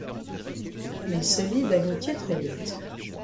Ils se lient d'amitié très vite.